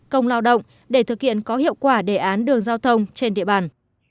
công lao động để thực hiện có hiệu quả đề án đường giao thông trên địa bàn